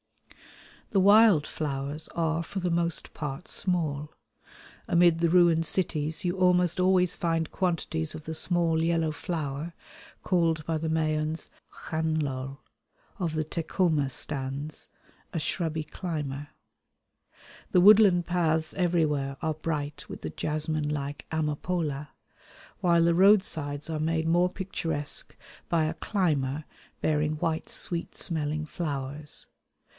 The wild flowers are for the most part small. Amid the ruined cities you almost always find quantities of the small yellow flower, called by the Mayans x̆canlol, of the Tecoma stans, a shrubby climber. The woodland paths everywhere are bright with the jasmine like amapola; while the roadsides are made more picturesque by a climber bearing white sweet smelling flowers.